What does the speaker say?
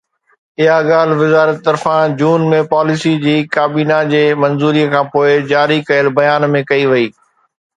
اها ڳالهه وزارت طرفان جون ۾ پاليسي جي ڪابينا جي منظوري کانپوءِ جاري ڪيل بيان ۾ ڪئي وئي